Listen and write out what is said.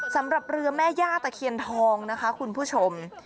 สำหรับเรือแม่ย่าตะเคียนทองนะคะคุณผู้ชม